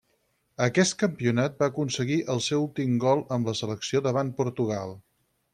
A aquest campionat va aconseguir el seu últim gol amb la selecció davant Portugal.